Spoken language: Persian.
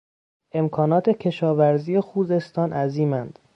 امکانات کشاورزی خوزستان عظیماند.